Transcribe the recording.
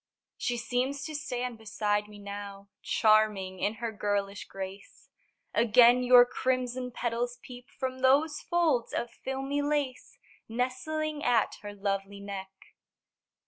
She seems to stand beside me now, Charming in her girlish grace; Again your crimson petals peep From those folds of filmy lace Nestling at her lovely neck.